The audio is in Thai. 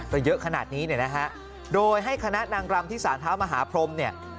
ก็เยอะขนาดนี้เนี่ยนะฮะโดยให้คณะนางรำที่สารเท้ามหาพรมเนี่ย